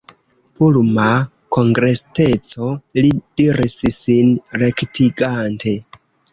Pulma kongesteco, li diris, sin rektigante.